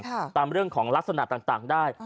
ตามเรื่องของลักษณะต่างได้